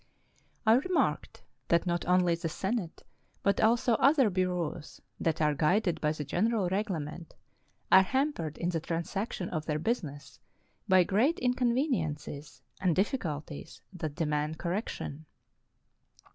I re marked that not only the Senate, but also other bureaus that are guided by the General Reglement, are ham pered in the transaction of their business by great incon veniences and difficulties that demand correction.